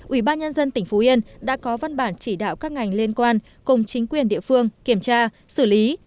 ủy ban nhân dân tỉnh phú yên đã có văn bản chỉ đạo các ngành liên quan cùng chính quyền địa phương kiểm tra xử lý